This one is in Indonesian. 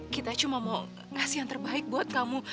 kita cuma mau ngasih yang terbaik buat kamu